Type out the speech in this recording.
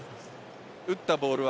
打ったボールは？